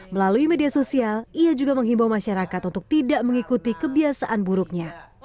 melalui media sosial ia juga menghimbau masyarakat untuk tidak mengikuti kebiasaan buruknya